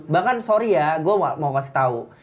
bahkan sorry ya gue mau kasih tau